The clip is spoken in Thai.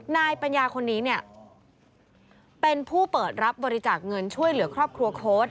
นายปัญญาคนนี้เนี่ยเป็นผู้เปิดรับบริจาคเงินช่วยเหลือครอบครัวโค้ด